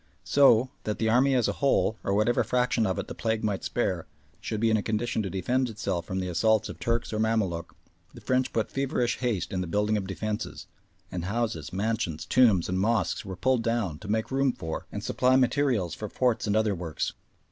So, that the army as a whole, or whatever fraction of it the plague might spare, should be in a condition to defend itself from the assaults of Turk or Mamaluk, the French put feverish haste in the building of defences, and houses, mansions, tombs, and mosques were pulled down to make room for and supply materials for forts and other works.